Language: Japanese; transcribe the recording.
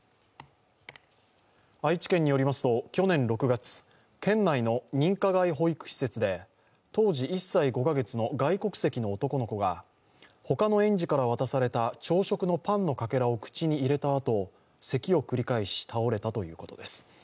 愛知県によりますと去年６月、県内の認可外保育施設で当時１歳５カ月の外国籍の男の子が他の園児から渡された朝食のパンのかけらを口に入れたあと、咳を繰り返し倒れたということです。